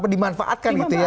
memanfaatkan itu ya